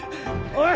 おい！